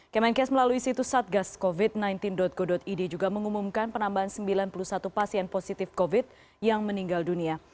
kemenkes melalui situs satgascovid sembilan belas go id juga mengumumkan penambahan sembilan puluh satu pasien positif covid yang meninggal dunia